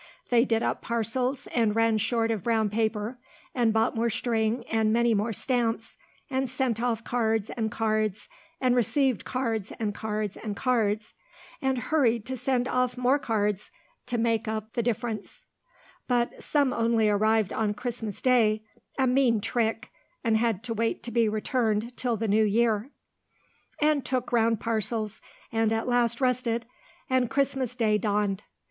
They did up parcels and ran short of brown paper, and bought more string and many more stamps, and sent off cards and cards, and received cards and cards and cards, and hurried to send off more cards to make up the difference (but some only arrived on Christmas Day, a mean trick, and had to wait to be returned till the new year), and took round parcels, and at last rested, and Christmas Day dawned.